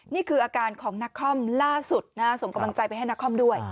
นี่คืออาการของนักคอมล่าสุดส่งกำลังใจไปให้นครด้วย